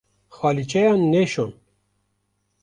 Xalîçeyan neşon.